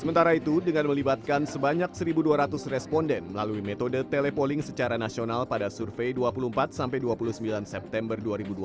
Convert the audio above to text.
sementara itu dengan melibatkan sebanyak satu dua ratus responden melalui metode telepolling secara nasional pada survei dua puluh empat sampai dua puluh sembilan september dua ribu dua puluh